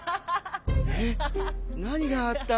えっなにがあった？